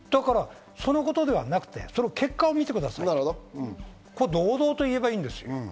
だからそのことではなくて、その結果を見てくださいと堂々と言えばいい。